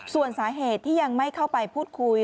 ส่วนสาเหตุที่ยังไม่เข้าไปพูดคุย